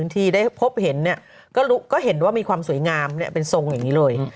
ที่ได้พบเห็นก็เห็นว่ามีความสวยงามเป็นทรงอย่างนี้เลย